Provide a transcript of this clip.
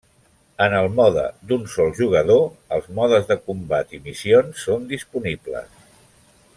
En el mode d'un sol jugador, els modes de combat i missions són disponibles.